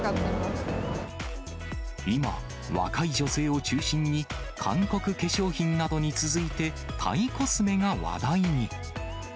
今、若い女性を中心に、韓国化粧品などに続いて、タイコスメが話題に。